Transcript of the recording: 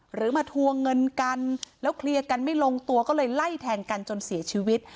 หรือมาทวงเงินกันแล้วเคลียร์กันไม่ลงตัวก็เลยไล่แทงกันจนเสียชีวิต